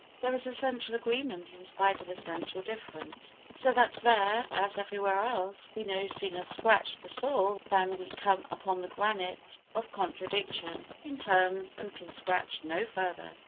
There is essential agreement in spite of essential difference. So that here, as everywhere else, we no sooner scratch the soil than we come upon the granite of contradiction in terms and can scratch no further.